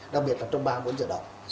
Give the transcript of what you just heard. đặc biệt là trong ba bốn giờ đầu